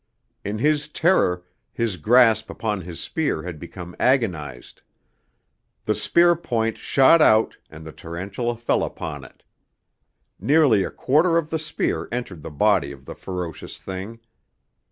In his terror, his grasp upon his spear had become agonized. The spear point shot out, and the tarantula fell upon it. Nearly a quarter of the spear entered the body of the ferocious thing.